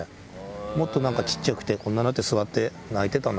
もっとなんかちっちゃくて、こんななって座って泣いてたな。